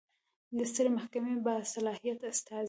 د سترې محکمې باصلاحیته استازی